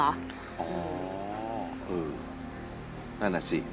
อ๋อเออนั่นน่ะสิ